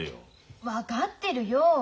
分かってるよ。